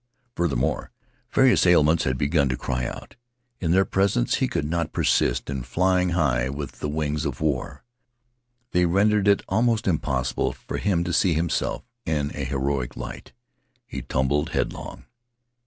Furthermore, various ailments had begun to cry out. In their presence he could not persist in flying high with the wings of war; they rendered it almost impossible for him to see himself in a heroic light. He tumbled headlong.